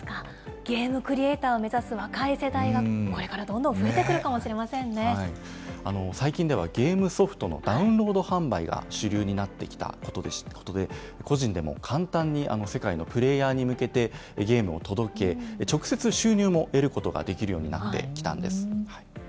ゲームクリエーターを目指す若い世代がこれからどんどん増え最近では、ゲームソフトのダウンロード販売が主流になってきたことで、個人でも簡単に世界のプレーヤーに向けてゲームを届け、直接収入も得ることができるようになってきたんです。